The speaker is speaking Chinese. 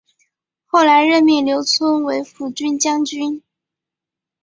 后来任命刘聪为抚军将军。